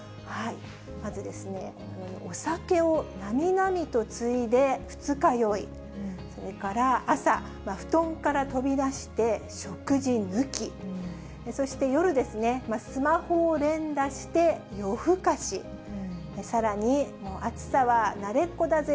まずですね、お酒をなみなみとついで二日酔い、それから朝、布団から飛び出して、食事抜き、そして夜ですね、スマホを連打して夜更かし、さらに、暑さは慣れっこだぜ！